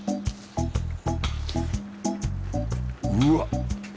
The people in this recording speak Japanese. うわっ！